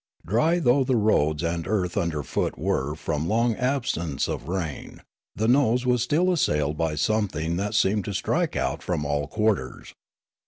Dry though the roads and earth underfoot were from long absence of rain, the nose was still assailed bj'' something that seemed to strike out from all quarters.